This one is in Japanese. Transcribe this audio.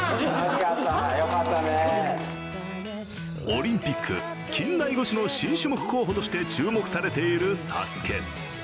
オリンピック近代五種の新種目候補として注目されている「ＳＡＳＵＫＥ」。